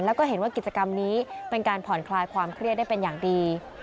แล้วก็เห็นว่ากิจกรรมนี้เป็นการผ่อนคลายความเครียดได้เป็นอย่างดี